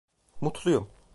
Mutluyum.